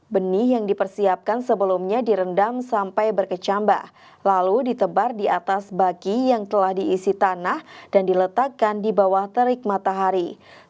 benih yang dipersiapkan sebelumnya direndam sampai berkecambah lalu ditebar di atas baki yang telah diisi tanah dan diletakkan di bawah terik matahari